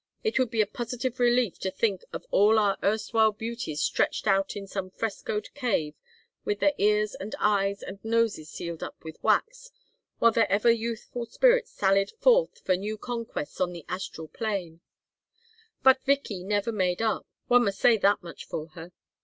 It would be a positive relief to think of all our erstwhile beauties stretched out in some frescoed cave with their ears and eyes and noses sealed up with wax, while their ever youthful spirits sallied forth for new conquests on the astral plane. But Vicky never 'made up': one must say that much for her.